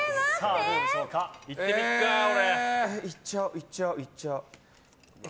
いっちゃう、いっちゃう。